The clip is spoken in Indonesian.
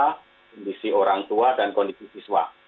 kondisi orang tua dan kondisi siswa